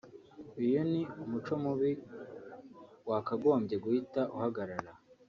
Uyu ni umuco mubi wakagombye guhita uhagaragara”